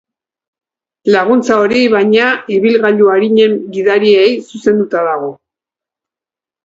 Laguntza hori, baina, ibilgailu arinen gidariei zuzenduta dago.